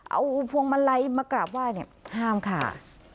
เอาพวงมาลัยมากราบไหว้เนี่ยห้ามค่ะ